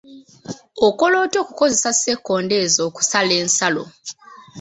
Okola otya okukozesa sekonda ezo okusala ensalo?